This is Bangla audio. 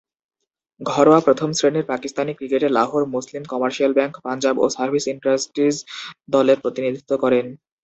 ঘরোয়া প্রথম-শ্রেণীর পাকিস্তানি ক্রিকেটে Lahore, Muslim Commercial Bank, Punjab ও সার্ভিস ইন্ডাস্ট্রিজ দলের প্রতিনিধিত্ব করেন।